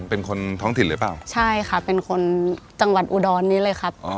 เป็นคนท้องถิ่นเลยเปล่าใช่ค่ะเป็นคนจังหวัดอุดรนี้เลยครับอ๋อ